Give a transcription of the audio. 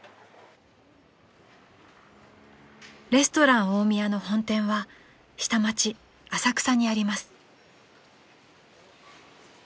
［レストラン大宮の本店は下町浅草にあります］